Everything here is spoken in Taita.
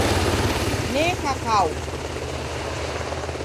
Neka kau